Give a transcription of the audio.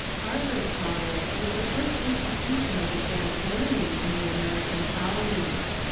Harvard College was the first institution of advanced learn ing in the American colonies.